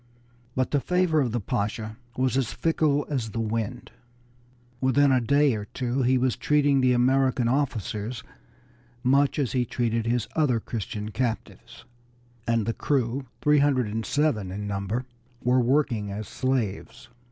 But the favor of the Pasha was as fickle as the wind; within a day or two he was treating the American officers much as he treated his other Christian captives, and the crew, three hundred and seven in number, were worked as slaves.